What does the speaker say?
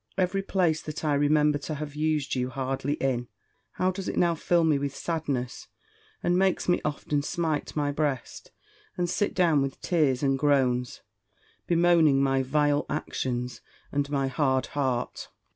Every place that I remember to have used you hardly in, how does it now fill me with sadness, and makes me often smite my breast, and sit down with tears and groans, bemoaning my vile actions, and my hard heart!